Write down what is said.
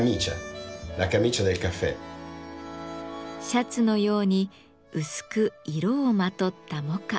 シャツのように薄く色をまとったモカ。